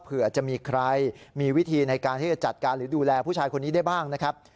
เผื่อจะมีใครมีวิธีในการที่จะจัดการหรือดูแลผู้ชายคนนี้ได้บ้างนะครับ